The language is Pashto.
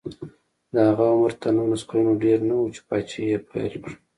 د هغه عمر تر نولس کلونو ډېر نه و چې پاچاهي یې پیل کړه.